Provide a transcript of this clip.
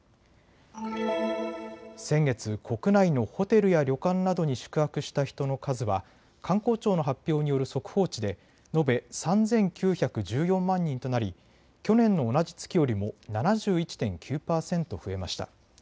先月、国内のホテルや旅館などに宿泊した人の数は観光庁の発表による速報値で延べ３９１４万人となり去年の同じ月よりも７１．９％増えました。